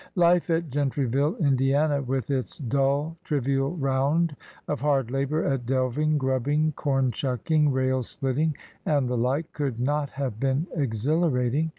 Life at Gentryville, Indiana, with its dull, trivial round of hard labor at delving, grubbing, corn shucking, rail splitting, and the like, could not have been exhilarating.